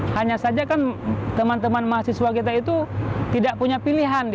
hanya saja kan teman teman mahasiswa kita itu tidak punya pilihan